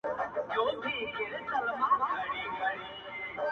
• صبر وکړه لا دي زمانه راغلې نه ده.